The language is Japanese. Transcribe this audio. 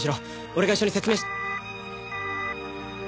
俺が一緒に説明。